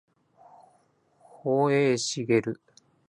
保栄茂